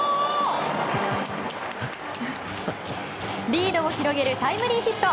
リードを広げるタイムリーヒット。